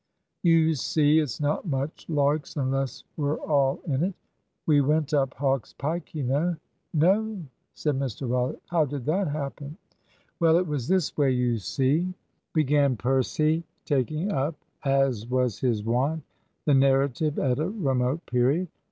"You see, it's not much larks unless we're all in it. We went up Hawk's Pike, you know." "No," said Mr Rollitt. "How did that happen?" "Well, it was this way, you see," began Percy, taking up, as was his wont, the narrative at a remote period.